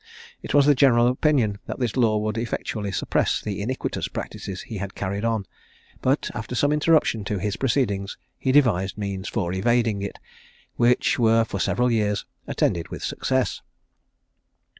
It was the general opinion that this law would effectually suppress the iniquitous practices he had carried on; but, after some interruption to his proceedings, he devised means for evading it, which were for several years attended with success.